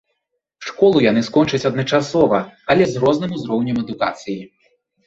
Школу яны скончаць адначасова, але з розным узроўнем адукацыі.